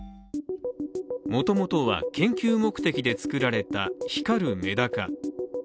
もともとは、研究目的で作られた光るめだか。